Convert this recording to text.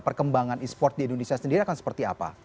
perkembangan e sport di indonesia sendiri akan seperti apa